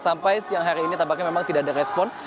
sampai siang hari ini tampaknya memang tidak ada respon